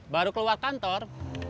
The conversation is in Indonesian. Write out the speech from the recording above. baru keluar kantor